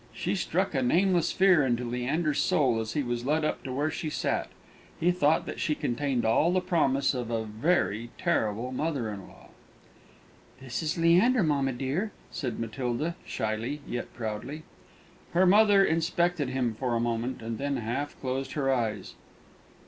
She struck a nameless fear into Leander's soul as he was led up to where she sat. He thought that she contained all the promise of a very terrible mother in law. [Illustration: SHE STRUCK A NAMELESS FEAR INTO LEANDER'S SOUL.] "This is Leander, mamma dear," said Matilda, shyly and yet proudly. Her mother inspected him for a moment, and then half closed her eyes.